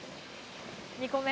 ２個目？